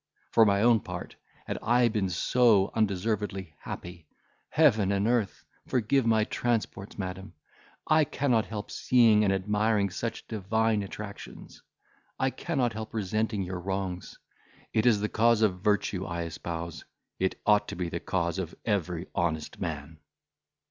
for my own part, had I been so undeservedly happy—Heaven and earth! forgive my transports, madam, I cannot help seeing and admiring such divine attractions. I cannot help resenting your wrongs; it is the cause of virtue I espouse; it ought to be the cause of every honest man."